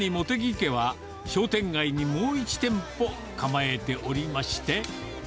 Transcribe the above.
家は、商店街にもう１店舗構えておりまして。